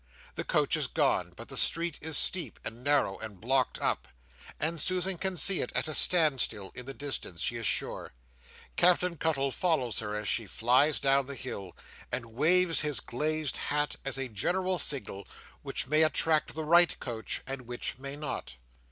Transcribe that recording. The coach is gone, but the street is steep, and narrow, and blocked up, and Susan can see it at a stand still in the distance, she is sure. Captain Cuttle follows her as she flies down the hill, and waves his glazed hat as a general signal, which may attract the right coach and which may not.